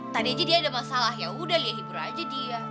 tadi aja dia ada masalah yaudah lia hibur aja dia